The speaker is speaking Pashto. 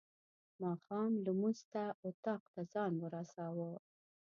ماښام لمونځ ته اطاق ته ځان ورساوه.